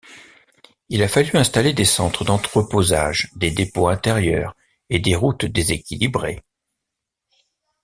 Il a fallu installer des centres d'entreposage, des dépôts intérieurs et des routes déséquilibrées.